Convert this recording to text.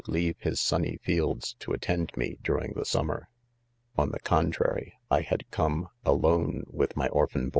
leave his sunny fields to attend me during the summer. ;* On jthe, contrary,! had come, alone with. my orphan.